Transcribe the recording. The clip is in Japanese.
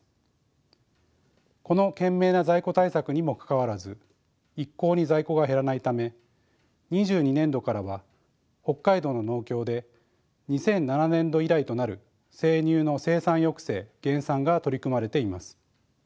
この懸命な在庫対策にもかかわらず一向に在庫が減らないため２２年度からは北海道の農協で２００７年度以来となる生乳の生産抑制・減産が取り組まれています。